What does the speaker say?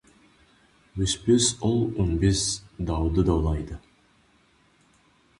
Өспес ұл өнбес дауды даулайды.